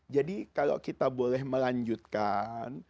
jadi kalau kita boleh melanjutkan